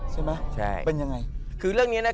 ใช่ไหมเป็นยังไง